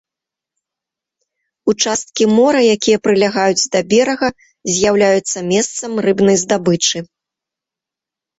Участкі мора, якія прылягаюць да берага, з'яўляюцца месцам рыбнай здабычы.